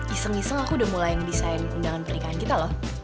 iseng iseng aku udah mulai ngedesain undangan pernikahan kita loh